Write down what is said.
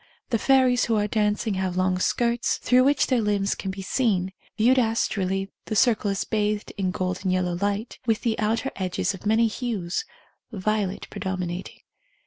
The fairies who are dancing have long skirts, through which their limbs can be seen ; viewed astrally the circle is bathed in golden yellow light, with the outer edges of many hues, violet predominating.